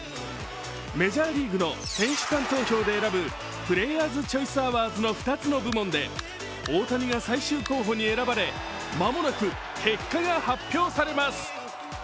メジャーリーグの選手間投票で選ぶプレーヤーズ・チョイス・アワーズの２つの部門で大谷が最終候補に選ばれ間もなく結果が発表されます。